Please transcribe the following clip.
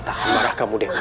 tahan parah kamu dewi